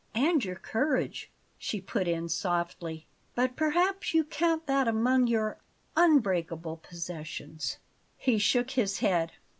"And your courage," she put in softly. "But perhaps you count that among your unbreakable possessions." He shook his head.